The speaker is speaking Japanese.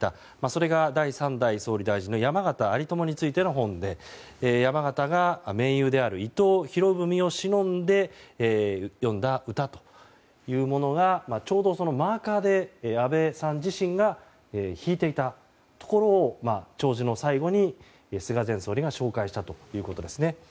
それが第３代総理大臣山県有朋についての本で山県が盟友である伊藤博文をしのんで詠んだ歌というものがちょうどマーカーで安倍さん自身が引いていたところを弔辞の最後に菅前総理が紹介したということです。